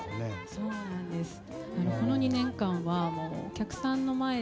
そうなんですよね。